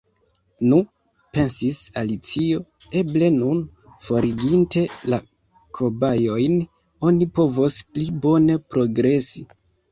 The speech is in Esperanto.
"Nu," pensis Alicio, "eble nun, foriginte la kobajojn, oni povos pli bone progresi."